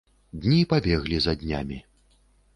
Дні пабеглі за днямі.